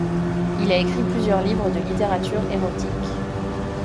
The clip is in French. Il a écrit plusieurs livres de littérature érotique.